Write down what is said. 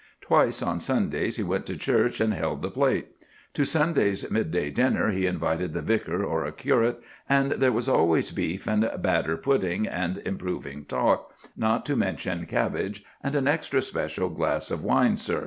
Twice on Sundays he went to church and held the plate. To Sunday's midday dinner he invited the vicar or a curate, and there was always beef and batter pudding and improving talk, not to mention cabbage and an extra special "glass of wine, sir."